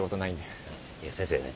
いや先生ね